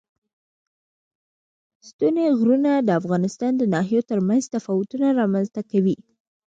ستوني غرونه د افغانستان د ناحیو ترمنځ تفاوتونه رامنځ ته کوي.